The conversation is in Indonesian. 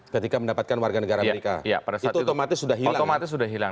ketika mendapatkan warga negara amerika itu otomatis sudah hilang